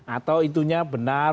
atau itunya benar